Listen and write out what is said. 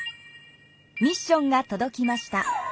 ミッションがとどきました。